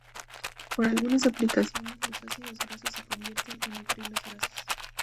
Para algunas aplicaciones, los ácidos grasos se convierten en nitrilos grasos.